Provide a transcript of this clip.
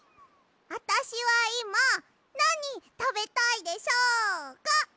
あたしはいまなにたべたいでしょうか？